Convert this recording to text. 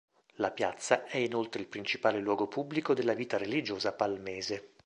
La piazza è inoltre il principale luogo pubblico della vita religiosa palmese.